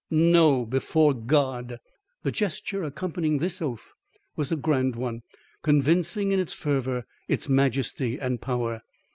"No, before God!" The gesture accompanying this oath was a grand one, convincing in its fervour, its majesty and power.